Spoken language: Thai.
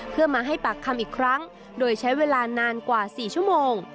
เพื่อมาให้ปากคำอีกครั้งโดยใช้เวลานานกว่า๔ชั่วโมง